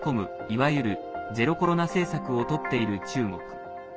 いわゆるゼロコロナ政策をとっている中国。